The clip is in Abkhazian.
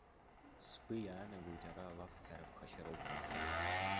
Сгәы иаанагоит ара алафҳәара ԥхашьароуп ҳәа.